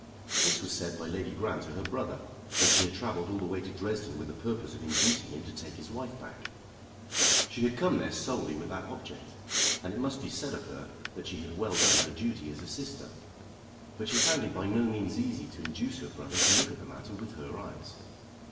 This was said by Lady Grant to her brother when she had travelled all the way to Dresden with the purpose of inducing him to take his wife back. She had come there solely with that object, and it must be said of her that she had well done her duty as a sister. But she found it by no means easy to induce her brother to look at the matter with her eyes.